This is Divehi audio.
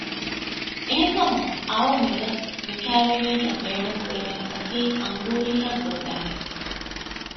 އެހެން ކަމުން އައު މިބަސް މިކައިވެނީގައި ބޭނުންކުރެވެން އޮތީ އަންގޫރީއާ ގުޅުވައިގެން